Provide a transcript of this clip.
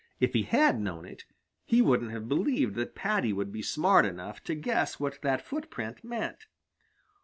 If he had known it, he wouldn't have believed that Paddy would be smart enough to guess what that footprint meant.